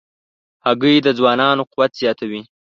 هګۍ د ځوانانو قوت زیاتوي.